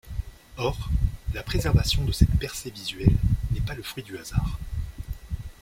Or, la préservation de cette percée visuelle n’est pas le fruit du hasard.